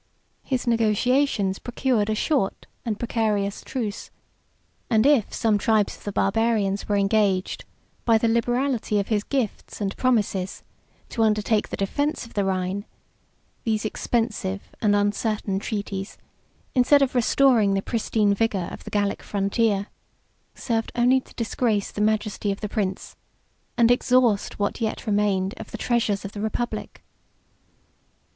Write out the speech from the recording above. His negotiations procured a short and precarious truce; and if some tribes of the Barbarians were engaged, by the liberality of his gifts and promises, to undertake the defence of the Rhine, these expensive and uncertain treaties, instead of restoring the pristine vigor of the Gallic frontier, served only to disgrace the majesty of the prince, and to exhaust what yet remained of the treasures of the republic.